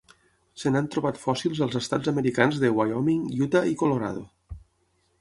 Se n'han trobat fòssils als estats americans de Wyoming, Utah i Colorado.